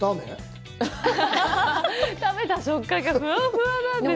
食べた食感はふわふわなんです。